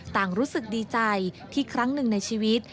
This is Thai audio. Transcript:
รู้สึกดีใจที่ครั้งหนึ่งในชีวิต